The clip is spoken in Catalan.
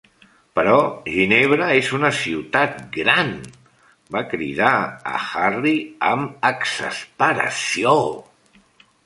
"Però Ginebra és una ciutat gran", va cridar a Harry amb exasperació.